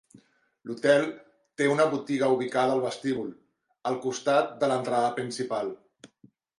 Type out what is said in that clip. L'hotel té una botiga ubicada al vestíbul, al costat de l'entrada principal.